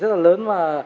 rất là lớn và